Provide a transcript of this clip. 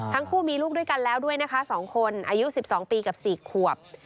ทั้งคู่มีลูกด้วยกันแล้วด้วยนะคะ๒คนอายุ๑๒ปีกับ๔ขวบ